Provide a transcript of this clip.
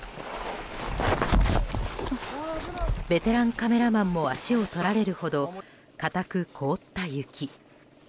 ベテランカメラマンも足を取られるほど硬く凍った雪。